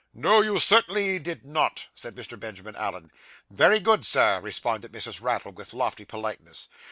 'No, you certainly did not,' said Mr. Benjamin Allen. 'Very good, Sir,' responded Mrs. Raddle, with lofty politeness.